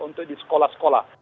untuk di sekolah sekolah